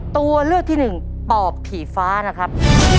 ตัวเลือกที่หนึ่งปอบถี่ฟ้านะครับ